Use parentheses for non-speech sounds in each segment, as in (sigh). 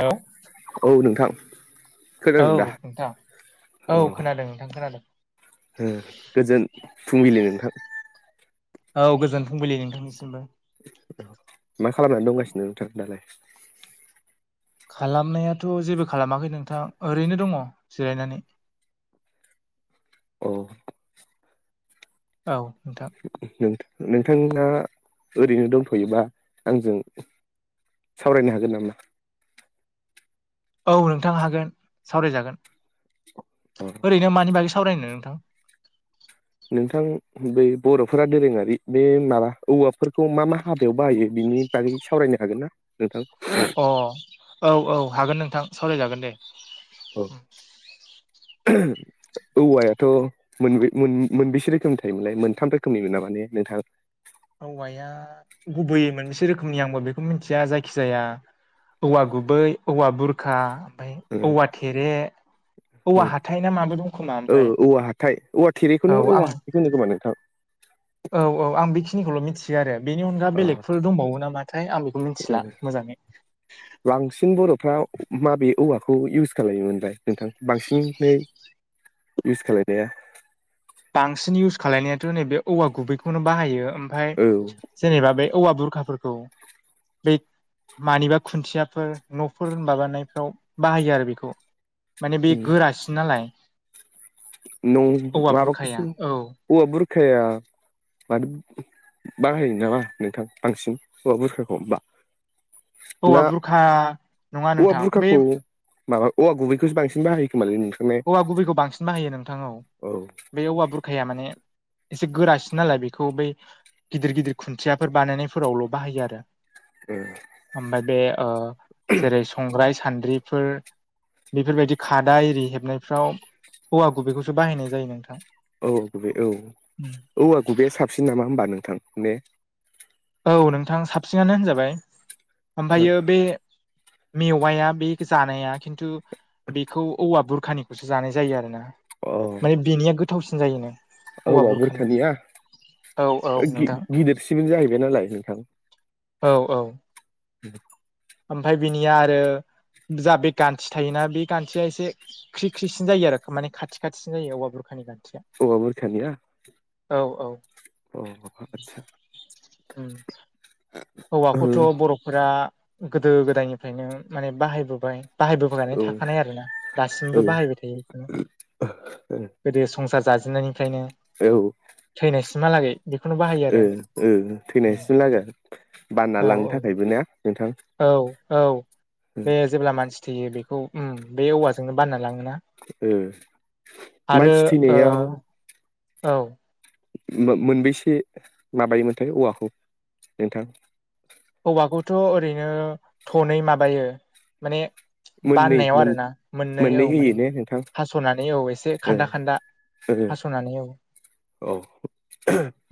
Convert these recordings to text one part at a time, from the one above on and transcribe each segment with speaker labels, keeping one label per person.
Speaker 1: हेल' (unintelligible)
Speaker 2: औ नोंथां
Speaker 1: औ
Speaker 2: खोनादों दा
Speaker 1: नोंथां औ खोनादों नोंथां खोनादों
Speaker 2: ओ गोजोन फुंबिलि नोंथां
Speaker 1: औ गोजोन फुंबिलि नोंथांनिसिमबो
Speaker 2: मा खालामनानै दंगासिनो नोंथां दालाय
Speaker 1: खालामनायाथ' जेबो खालामाखै नोंथां ओरैनो दंङो जिरायनानै
Speaker 2: अ
Speaker 1: औ नोंथां
Speaker 2: नोंथांङा ओरैनो दंथ'योबा आंजों सावरायनो हागोन नामा
Speaker 1: औ नोंथां हागोन सावरायजागोन
Speaker 2: अ
Speaker 1: ओरैनो मानि बागै सावरायनो नोंथां
Speaker 2: नोंथां बे बर'फोरा दोरोङारि बे माबा औवाफोरखौ मा मा हाबायाव बाहायो बिनि बागै सावरायनो हागोन ना नोंथां
Speaker 1: अ औ औ हागोन नोंथां सावरायजागोन दे
Speaker 2: औ औवायाथ' मोनबेसे रोखोमनि थायोमोनलाय मोनथाम रोखोमनिमोन न माने नोंथांङा
Speaker 1: औवाया गुबैयै मोनसे रोखोमनि आंबो बेखौ मिन्थिया जायखि जाया औवा गुबै औवा बुरखा ओमफ्राय औवा थेरे औवा हाथाय ना माबो दं खोमा
Speaker 2: औ
Speaker 1: ओमफ्राय
Speaker 2: औवा हाथाय औवा थेरैखौनो
Speaker 1: औ आं
Speaker 2: औवा हाथथायखौनो खोमा नोंथां
Speaker 1: औ औ आं बेखिनिखौल' मिथि बिदि आरो बेनि अनगा बेलेगफोर दंबावो नामाथाय आं बेखौ मिथिला मोजांङै
Speaker 2: बांसिन बर'फ्रा माबे औवाखौ इउस खालामलयो ओमफ्राय नोंथां बांसिनै इउस खाायनाया
Speaker 1: बांसिन इउस खालायनायाथ' नैबे औवा गुबैखौनो बाहायो ओमफ्राय
Speaker 2: औ
Speaker 1: जेनेबा बे औवा बुरखाफोरखौ बे मानिबा खुन्थियाफोर न'फोर माबानायफ्राव बाहायो आरो बेखौ माने बे गोरासिन नालाय
Speaker 2: न' माबा
Speaker 1: हाया औ
Speaker 2: औवा बुरखाया मा बारायो नामा नोंथां बांसिन हौवा बुरखाखौ होमबा ना
Speaker 1: औवा बुरखा नङा
Speaker 2: औवा
Speaker 1: नोंथां बे
Speaker 2: बुरखाखौ माबा औवा गुबैखौसो बांसिन बाहायखोमालै नों
Speaker 1: औवा गुबैखौ बांसिन बाहायो नोंथां
Speaker 2: औ
Speaker 1: बे औवा बुरखाया माने एसे गोरासिन नालाय बेखौ बै गिदिर गिदिर खुन्थियाफोर बानायनायफोरावल' बाहायो आरो
Speaker 2: ए
Speaker 1: ओमफ्राय बे जेरै संग्राय सान्द्रिफोर बेफोरबायदि खादा एरि हेबनायफ्राव हौवा गुबैखौसो बाहायनाय जायो नोंथां
Speaker 2: औ बबे औ औवा गुबैया साबसिन नामा होमबा नोंथां ने
Speaker 1: औ नोंथां साबसिनानो होनजाबाय ओमफायो
Speaker 2: अ
Speaker 1: बे मेवाया बे जानाया खिन्थु बेखौ औवा बुरखानि जानाय जायो आरो ना
Speaker 2: औ
Speaker 1: माने बेनिया गोथावसिन जायोनो
Speaker 2: औवाया बुरखानिया
Speaker 1: औ औ
Speaker 2: गि
Speaker 1: नोंथां
Speaker 2: गिदिरसिबो जाहैबाय नालाय नोंथां
Speaker 1: औ औ
Speaker 2: (inaudible)
Speaker 1: ओमफ्राय बिनिया आरो जा बे गान्थि थायोना बे खान्थिया एसे ख्रिख्रिसिन जायो आरो माने खाथि खाथिसिन जायो औवाया बुरखानि गान्थिया
Speaker 2: औवा बुरखानिया
Speaker 1: औ औ
Speaker 2: अ आदसा
Speaker 1: उम औवाखौथ
Speaker 2: ओ
Speaker 1: बर'फोरा गोदो गोदायनिफ्रायनो माने बाहायबोबाय बाहायबोबायनानै
Speaker 2: औ
Speaker 1: थाखानाय आरोना दासिमबो बाहायबाय थायो बेखौनो
Speaker 2: ओ
Speaker 1: गोदो संसार जाजेननायनिफ्रायनो
Speaker 2: औ
Speaker 1: थैनायसिमहालागै बेखौनो बाहायो
Speaker 2: ओ
Speaker 1: आरो
Speaker 2: ओ थैनायसिम लागो
Speaker 1: औ
Speaker 2: बानना लांनो थाखायबो ने नोंथां
Speaker 1: औ औ बे जेब्ला मानसि थैयो बेखौ उम बे औवाजोंनो बानना लाङोना
Speaker 2: ओ
Speaker 1: आरो
Speaker 2: मानसि
Speaker 1: ओ
Speaker 2: थैनायाव
Speaker 1: औ
Speaker 2: मोनबैसे माबायोमोनथाय औवाखौ नोंथां
Speaker 1: औवाखौथ ओरैनो थनै माबायो माने
Speaker 2: मोननै
Speaker 1: बाननायाव आरोना मोननै औ
Speaker 2: होयो
Speaker 1: माने
Speaker 2: ने नोंथां
Speaker 1: हासनानै औ एसे
Speaker 2: ओ
Speaker 1: खान्दा खान्दा
Speaker 2: ओ
Speaker 1: हासनानै औ
Speaker 2: औ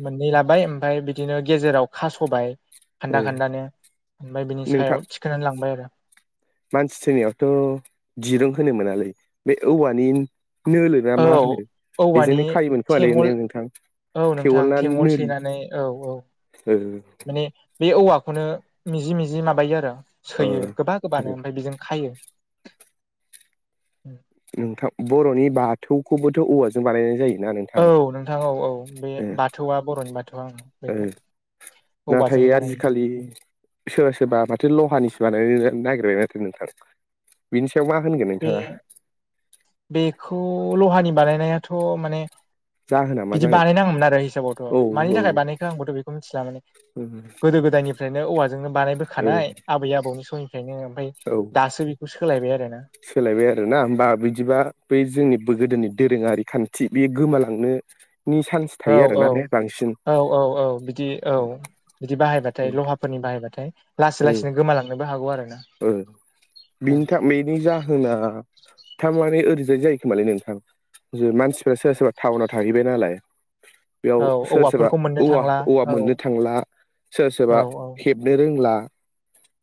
Speaker 1: मोननै लाबाय ओमफफ्राय बिदिनो गेजेराव खासबाय
Speaker 2: ओ
Speaker 1: खान्दा खान्दानो ओमफ्राय बिनि
Speaker 2: नोंथां
Speaker 1: सायाव थिखोनानै लांबाय आरो
Speaker 2: मानसि थनिावथ दिरुं होनोमोनालै बे औवानि नोलो ना
Speaker 1: औ
Speaker 2: मा होनो
Speaker 1: औवानि
Speaker 2: बेजोंनो खायोमोन खोमालै ना
Speaker 1: थेंगल
Speaker 2: नोंथां
Speaker 1: औ नोंथां
Speaker 2: थेवोल ना
Speaker 1: थेंगल
Speaker 2: नोलो
Speaker 1: सैनानै औ औ
Speaker 2: ओ
Speaker 1: माने बे औवाखौनो मिजि मिजि माबायो आरो
Speaker 2: ओ
Speaker 1: सोयो गोबा गोबानो ओमफ्राय बेजों खायो
Speaker 2: नोंथां बर'नि बाथौखौबोथ औवाजों बानायनाय जायो ना नों
Speaker 1: औ नोंथां औ औ बे बाथौआ बर'नि बाथौआ ओं
Speaker 2: ओ
Speaker 1: बेखौ औवाजों
Speaker 2: नाथाय
Speaker 1: बानायो
Speaker 2: आजिखालि सोरबा सोरबा माथो लहानिसो बानायनो नागिरबायमाथो नोंथां बिनि सायाव मा होनगोन
Speaker 1: बे
Speaker 2: नोंथाङा
Speaker 1: बेखौ लहानि बानायनायाथ माने
Speaker 2: जाहोना मा
Speaker 1: बिदि
Speaker 2: जागोन
Speaker 1: बानायनाङामोन आरो हिसाबावथ
Speaker 2: औ
Speaker 1: मानि थाखाय बानायखो आंबोथ बेखौ मिथिला माने गोदो गोदायनिफ्रायनो औवाजोंनो
Speaker 2: ओ
Speaker 1: बानायबोखानाय आबै आबौनि सम निफ्रायनो ओमफ्राय
Speaker 2: औ
Speaker 1: दासो बेखौ सोलायबाय आरो ना
Speaker 2: सोलायबाय आरो ना होमबा बिदिबा बै जोंनि गोदोनि दोरोङारि खान्थि बेयो गोमालांनो नि सान्स
Speaker 1: औ औ औ औ औ बिदि औ बिदि
Speaker 2: ओ
Speaker 1: बाहायबाथाय लहा फोरनि बाहायबथाय लासै लासैनो गोमालांनोबो हागौ आरो ना
Speaker 2: ओ बिनि था बेनि जाहोना थारमाने ओरैजाय जायोखोमालै नोंथां जो मानसिफ्रा सोरबा सोरबा टाउनाव थाहैबाय नालाय बेयाव
Speaker 1: औ
Speaker 2: सोर सोरबा
Speaker 1: औवाफोरखौ मोननो
Speaker 2: औवा
Speaker 1: थांला
Speaker 2: औवा
Speaker 1: औ
Speaker 2: मोननो थांला सोर
Speaker 1: औ
Speaker 2: सोरबा
Speaker 1: औ
Speaker 2: हेबनो रोंला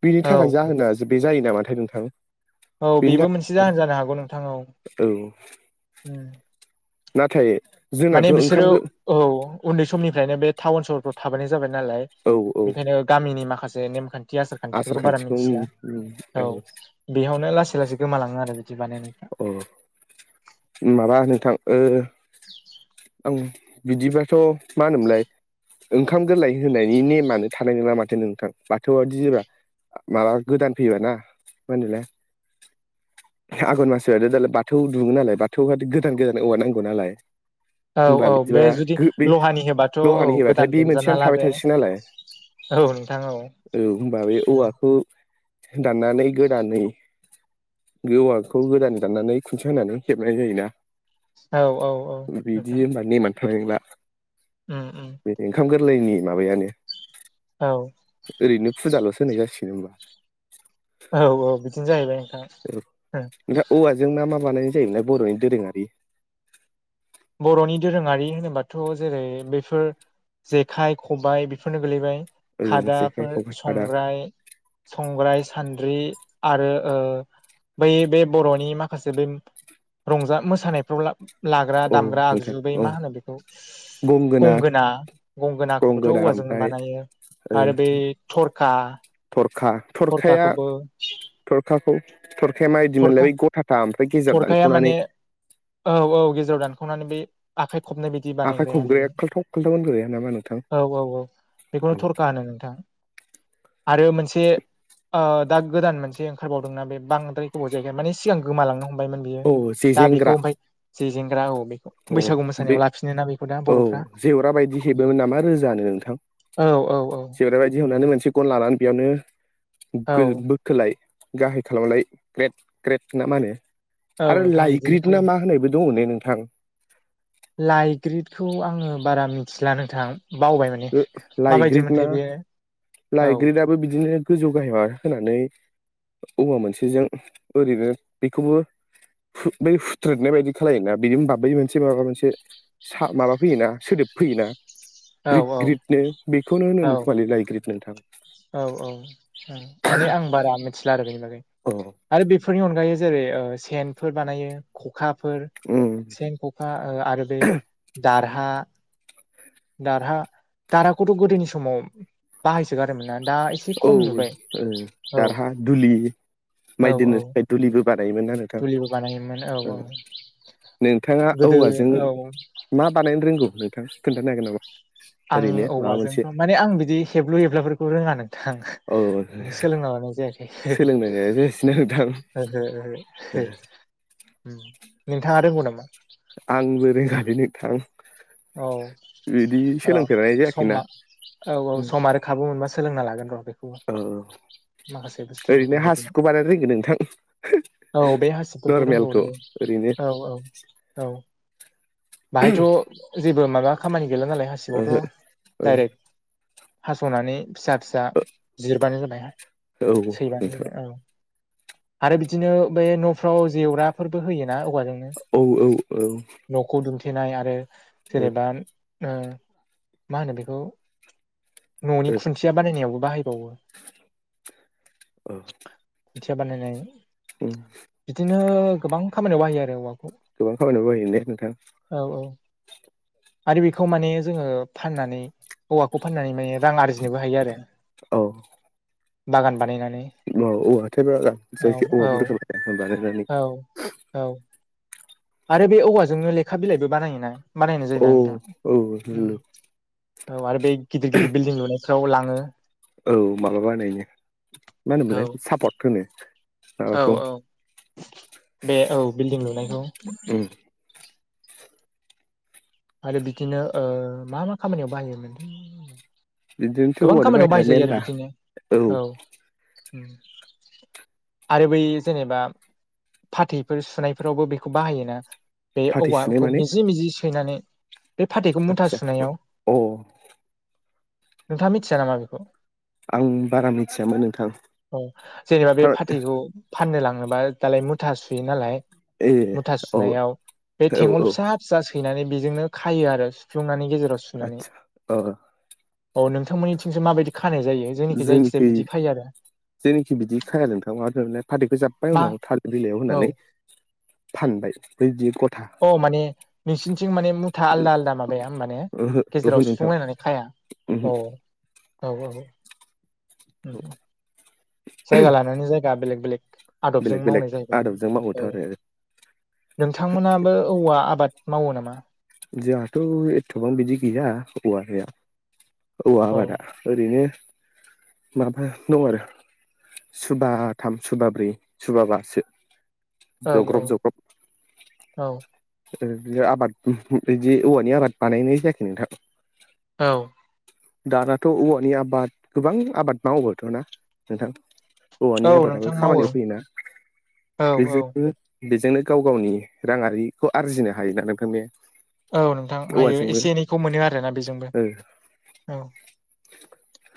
Speaker 2: बेनि
Speaker 1: औ
Speaker 2: थाखाय जाहोना बे जायो नामाथाय नोंथां
Speaker 1: औ
Speaker 2: बेनि
Speaker 1: बेबो
Speaker 2: थाखाय
Speaker 1: मोनसे जाहोन जानो हागौ नोंथां औ उम
Speaker 2: नाथाय
Speaker 1: माने
Speaker 2: जोंनाथ'
Speaker 1: बिसोरो
Speaker 2: ओंखाम गो
Speaker 1: औ उन्दै समनिफ्रायनो बे टाउन सहरफ्राव थाबोनाय जाबाय नालाय
Speaker 2: औ औ
Speaker 1: बेखायनो गामिनि माखासे नेमखान थि आसार खान्थिफोरखौ बारा मिथिला औ बेयावनो लासै लासै गोमालाङो आरो बिदि बानायनायफ्रा
Speaker 2: औ माबा नोंथां ओ आं बिदिबाथ' मा होनोमोनलाय ओंखाम गोरलै होनायनि नेमानो थानाय नोंला माथो नोंथां बाथौआदि जेब्ला माबा गोदान फैबायना मा होनोलाय। आघन मास फैबाथाय दालाय बाथौ दुङो नालाय बाथौ गोदान गोदान औवा नांगौ नालाय।
Speaker 1: औ
Speaker 2: होनबा
Speaker 1: औ बे
Speaker 2: बिदिबा
Speaker 1: जुदि
Speaker 2: गो बे
Speaker 1: लहानि होबाथ' औ
Speaker 2: लहानि होबाथाय
Speaker 1: गोदान
Speaker 2: बे
Speaker 1: दुमजाना
Speaker 2: मोनसेयानो
Speaker 1: ला
Speaker 2: थाबाय
Speaker 1: बे
Speaker 2: थासिगोन नालाय।
Speaker 1: औ नोंथां
Speaker 2: औ होमबा बे औवाखौ। दाननानै गोदानै गोवाखौ गोदानै दाननानै खुन्थिया होनानै। हेबनाय जायोना
Speaker 1: औ औ औ
Speaker 2: बिदि होनबा नेमानो थानाय नोंला।
Speaker 1: ओम ओम।
Speaker 2: बे ओंखाम गोरलैनि माबायानो
Speaker 1: औ।
Speaker 2: ओरैनो फुजाल'सो होनाय जासिगोन होनबा।
Speaker 1: औ औ बिदिनो जाहैबाय नोंथां।
Speaker 2: औ नोंथां औवाजों मा मा बानायनाय जायो बर'नि दोरोङारि।
Speaker 1: बर'नि दोरोङारि होनोबाथ' जेरै बेफोर जेखाइ खबाइ बेफोरनो गोलैबाय।
Speaker 2: ओ जेखाइ
Speaker 1: खादाफोर
Speaker 2: खबाइ खादा
Speaker 1: संग्राय। संग्राय-सान्द्रि आरो ओ। बै बे बर'नि माखासे बै रंजा मोसानायफ्राव ला लाग्रा।
Speaker 2: औ
Speaker 1: दामग्रा
Speaker 2: नोंथां
Speaker 1: आगजु, बै
Speaker 2: औ
Speaker 1: मा होनो बेखौ गंगोना गंगोनाखौबोथ'
Speaker 2: गंगोना
Speaker 1: औवाजोंनो
Speaker 2: ओमफ्राय
Speaker 1: बानायो
Speaker 2: ओ
Speaker 1: आरो बै। थरखा
Speaker 2: थरखा
Speaker 1: थरखाखौबो
Speaker 2: खाखौ थरखाया माबायदि मोनलाय
Speaker 1: थरखा
Speaker 2: बै गथाथा ओमफ्राय गेजेर
Speaker 1: थरखाया
Speaker 2: दानखावनानै
Speaker 1: माने औ औ गेजेराव दानख'नानै बे आखाइ खबनाय बाय दि
Speaker 2: आखाइ
Speaker 1: बानायग्राया
Speaker 2: खबग्राया
Speaker 1: बेयो
Speaker 2: खाल्थाव खाल्थाव होनग्राया नामा नोंथां
Speaker 1: औ औ औ बेखौनो
Speaker 2: औ
Speaker 1: थरखा होनो नोंथां। आरो मोनसे ओ दा गोदान मोनसे ओंखारबावदोंना बे बांद्राय गोबाव जायगाया माने सिगां गोमालांनो हमबायमोन बियो दा
Speaker 2: जेजेंग्रा
Speaker 1: बिखौ ओमफाय जे जेंग्रा औ बेखौ
Speaker 2: औ
Speaker 1: बैसागु
Speaker 2: बे
Speaker 1: मोसानायाव लाफिनो ना बेखौ दा
Speaker 2: औ
Speaker 1: बर'फ्रा
Speaker 2: जेवरा बायदि
Speaker 1: औ।
Speaker 2: हेबोमोन नामा रोजानो नोंथां
Speaker 1: औ औ औ
Speaker 2: जेवरा बायदि
Speaker 1: बेनो
Speaker 2: हेबनानै मोनसे गन लानानै बेयावनो
Speaker 1: औ
Speaker 2: गो बोखोलाय। गाहाय खालामलाय ग्रेट ग्रेट ना मा होनो?
Speaker 1: औ
Speaker 2: आरो
Speaker 1: नोंथां बिदिनो
Speaker 2: लायग्रिद ना
Speaker 1: खालामो
Speaker 2: मा होनो बे दङ ने नोंथां?
Speaker 1: लाइग्रिदखौ आङो बारा मिथिला नोंथां बावबायमोन।
Speaker 2: ओ लाइग्रिद ना
Speaker 1: औ
Speaker 2: लाइग्रिदाबो बिदिनो गोजौ गाहाय होनानै औवा मोनसेजों ओरैनो बेखौबो बै हुथ्रेदनाय बायदि खालायोना बिनि होनबा बै मोनसे माबा मोनसे। सा माबा फैयोना सोदोब फैयोना?
Speaker 1: (inaudible)
Speaker 2: ग्रिद ग्रिदनो बेखौनो
Speaker 1: औ
Speaker 2: होनोमोन खोमालै लाइ ग्रिद नोंथां।
Speaker 1: औ औ ओं माने आं बारा मिथिला आरो बेनि बागै।
Speaker 2: अ
Speaker 1: आरो बेफोरनि अनगायै जेरै ओ सेनफोर बानायो। खखाफोर
Speaker 2: उम
Speaker 1: सेन ख'खा आरो बे दारहा। दारहा-दारहाखौथ' गोदोनि समाव बाहायसोगारोमोन ना दा।
Speaker 2: औ
Speaker 1: खम
Speaker 2: ओ
Speaker 1: नुबाय औ
Speaker 2: दारहा दुलि
Speaker 1: औ
Speaker 2: माइ
Speaker 1: औ
Speaker 2: दोननो थाखाय दुलिबो बानायोमोन आरो। थां
Speaker 1: दुलिबो बानायोमोन औ
Speaker 2: ओ
Speaker 1: औ
Speaker 2: नोंथाङा
Speaker 1: गोदो
Speaker 2: औवाजों
Speaker 1: औ
Speaker 2: मा बानायनो रोंगौ नोंथां खोन्थानो हागोन नामा
Speaker 1: आं
Speaker 2: ओरैनो माबा मोनसे।
Speaker 1: औवाजोंथ' माने आं बिदि हेब्लु हेब्लाफोरखौ रोङा नोंथां।
Speaker 2: औ
Speaker 1: सोलोंना लानाय जायाखै
Speaker 2: सोलोंनाया जायासैना नोंथां
Speaker 1: ओहो ओहो हो। ओम नोंथाङा रोंगौ नामा?
Speaker 2: आंबो रोङालै नोंथां।
Speaker 1: औ
Speaker 2: बिदि
Speaker 1: र'
Speaker 2: सोलोंफेरनाय जायाखैना
Speaker 1: समा औ औ समा रोख खाबु मोनबा सोलोंना लागोन र' बेखौबो।
Speaker 2: औ
Speaker 1: माखासे बुस्थुफोरखौ
Speaker 2: ओरैनो
Speaker 1: हेबनो
Speaker 2: हासिबखौ बानायनो रोङो नोंथां
Speaker 1: औ बे हासिबफोरखौ
Speaker 2: नरमेलखौ
Speaker 1: रोंगौनो
Speaker 2: ओरैनो
Speaker 1: औ औ औ बाहायथ' जेबो माबा खामानि गैला नालाय हासिबावथ' डायरेक्ट हास'नानै फिसा फिसा जिरबानो जाबाय
Speaker 2: औ
Speaker 1: सैबानो जाबाय
Speaker 2: नोंथां
Speaker 1: औ आरो बिदिनो बे न'फ्राव जेवराफोरबो होयोना औवाजों
Speaker 2: औ औ औ
Speaker 1: न'खौ दुमथेनाय आरो जेनेबा ओ मा होनो बेखौ? न'नि खुन्थिया बानायनायावबो बाहायबावो
Speaker 2: ओ
Speaker 1: सो बानायनाय
Speaker 2: ओम
Speaker 1: बिदिनो गोबां खामानियाव बाहायो आरो औवाखौ
Speaker 2: गोबां खामानियाव बाहायो ने नोंथां?
Speaker 1: औ औ आरो बेखौ माने जोङो फाननानै औवाखौ फाननानै माने रां आरजिनोबो हायो आरो
Speaker 2: औ
Speaker 1: बागान बानायनानै।
Speaker 2: औ
Speaker 1: औ औ
Speaker 2: औवाथ' (unintelligible)
Speaker 1: औ औ। आरो बे औवाजोंनो लेखा बिलाइबो बानायोना बानायनाय
Speaker 2: औ
Speaker 1: जायोना नोंथां
Speaker 2: औ
Speaker 1: ओम। औ आरो बे गिदिर गिदिर बिल्डिं लुनायफ्राव लाङो
Speaker 2: औ माबाबानायनो मा
Speaker 1: औ
Speaker 2: होनोमोबलाय सापर्ट होनो
Speaker 1: औ
Speaker 2: माबाखौ
Speaker 1: औ बे औ बिल्डिं लुनायखौ
Speaker 2: उम
Speaker 1: आरो बिदिनो ओ मा मा खामानियाव बाहायोमोनलै ओम
Speaker 2: बिदिनोथ'
Speaker 1: गोबां
Speaker 2: औवानि
Speaker 1: खामानियाव
Speaker 2: बाहायनाया
Speaker 1: बाहायजायो आरो
Speaker 2: मेरला
Speaker 1: बिदिनो औ ओम आरो बै जेनेबा फाथैफोर सुनायफोरावबो बेखौ बाहायोना बे
Speaker 2: फाथै सुनाय
Speaker 1: औवाखौ
Speaker 2: माने
Speaker 1: मिजि मिजि सैनानै बे फाथैखौ मुथा
Speaker 2: आदसा
Speaker 1: सुनायाव
Speaker 2: अ
Speaker 1: नोंथाङा मिथिया नामा बेखौ?
Speaker 2: आं बारा मिथियामोन नोंथां
Speaker 1: औ जेनेबा बे
Speaker 2: थार
Speaker 1: फाथैखौ फाननो लाङोबा दालाय मुथा सुयो नालाय
Speaker 2: ए
Speaker 1: मुथा
Speaker 2: औ
Speaker 1: सुनायाव बे
Speaker 2: औ
Speaker 1: थेंवल
Speaker 2: औ
Speaker 1: फिसा फिसा सैनानै बेजोंनो खायो आरो सुफ्लुंनानै गेजेराव सुनानै
Speaker 2: आदसा अ
Speaker 1: औ नोंथांमोननिथिंसो माबायदि खानाय जायो जोंनिखि जायखिजाया
Speaker 2: जोंनिखै
Speaker 1: बिदि खायो आरो
Speaker 2: जोंनिखि बिदि खाया नोंथां मा होनो मोनलाय फाथैखौ जाब्बाय
Speaker 1: मा
Speaker 2: उनाव थालिर बिलाइयाव
Speaker 1: औ
Speaker 2: होनानै फानबाय बैदि गथा
Speaker 1: औ माने नोंसिनिथिं माने मुथा आलदा आलदा माबाया होमबा ने
Speaker 2: ओहो ओहो
Speaker 1: गेजेराव
Speaker 2: नोंथां
Speaker 1: सुफुंलायनानै खाया
Speaker 2: ओहो
Speaker 1: औ औ नंगौ ओम ओम जायगा लानानै जायगा बेलेग बेलेग आदबजों
Speaker 2: बेलेग बेलेग
Speaker 1: मावनाय जाहैबाय
Speaker 2: आदबजों
Speaker 1: होन
Speaker 2: मावोथ'
Speaker 1: औ
Speaker 2: आरो
Speaker 1: नोंथांमोनाबो औवा आबाद मावो नामा?
Speaker 2: जोंहाथ' एथ'बां बिदि गैया औवा गैया। औवा
Speaker 1: औ
Speaker 2: आबादा ओरैनो माबा दं आरो। सुबाथाम सुबाब्रै सुबाबासो
Speaker 1: औ
Speaker 2: जग्रब
Speaker 1: औ औ।
Speaker 2: ओ आबाद बिदि औवानि आबाद बानायनाय जायाखै नोंथां।
Speaker 1: औ
Speaker 2: दानाथ' औवानि आबाद गोबां आबाद मावबोथ'ना नोंथां। औवानि
Speaker 1: औ
Speaker 2: आबादाबो
Speaker 1: नोंथां मावो
Speaker 2: खामानियाव फैयोना
Speaker 1: औ औ
Speaker 2: बेजोंनो बेजोंनो गाव गावनि राङारिखौ आरजिनो हायोना नोंथांनि
Speaker 1: औ नोंथां हायो एसे एनैखौ मोनो आरोना बेजोंबो औ
Speaker 2: (inaudible)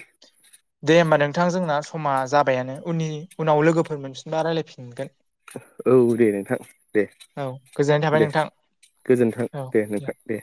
Speaker 1: दे होमबा नोंथां जोंना समा जाबायानो उनि उनाव लोगोफोर मोनफिनबा रायलायफिनगोन।
Speaker 2: औ दे नोंथां दे।
Speaker 1: औ गोजोननाय थाबाय
Speaker 2: दे
Speaker 1: नोंथां
Speaker 2: गोजोन्थों दे नोंथां दे।